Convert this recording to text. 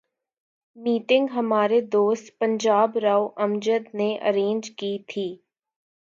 Meeting ہمارے دوست پنجاب راؤ امجد نے ارینج کی تھی۔